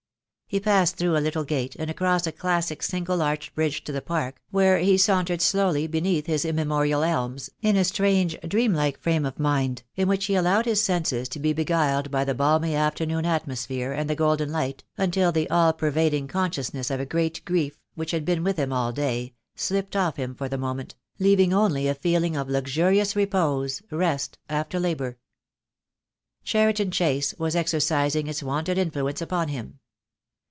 He passed through a little gate, and across a classic single arched bridge to the park, where he sauntered slowly beneath his immemorial elms, in a strange dream like frame of mind, in which he allowed Ins senses to be beguiled by the balmy afternoon atmosphere and the golden light, until the all pervading consciousness of a 120 THE DAY WILL COME. great grief, which had been with him all day, slipped off him for the moment, leaving only a feeling of luxurious repose, rest after labour. Cheriton Chase was exercising its wonted influence upon him.